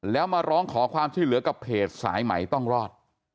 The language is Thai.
แล้วมาร้องขอความช่วยเหลือกับเพจสายใหม่ต้องรอด